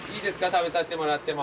食べさせてもらっても。